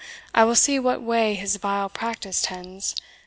I will see which way his vile practice tends.